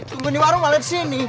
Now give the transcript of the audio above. tunggu di warung malah disini